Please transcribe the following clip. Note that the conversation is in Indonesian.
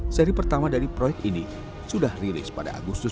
seri pertama dari proyek ini sudah rilis pada agustus dua ribu sembilan belas